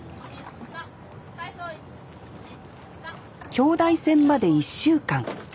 京大戦まで１週間。